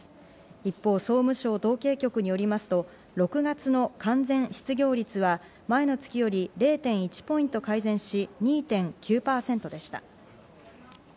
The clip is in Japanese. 一方、総務省統計局によりますと６月の完全失業率が前の月より０．１ポイント改善し、２．９％でした。